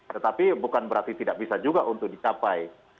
tetapi bukan berarti tidak bisa juga untuk dicapai